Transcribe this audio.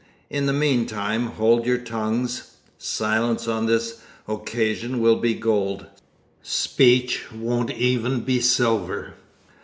In the meantime, hold your tongues. Silence on this occasion will be gold; speech won't even be silver."